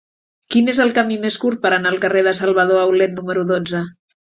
Quin és el camí més curt per anar al carrer de Salvador Aulet número dotze?